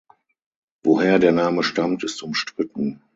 Woher der Name stammt ist umstritten.